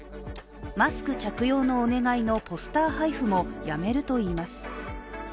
「マスク着用のお願い」のポスター配布もやめるといいます。